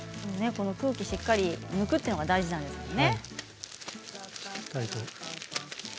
空気をしっかり抜くというのが大事なんですよね。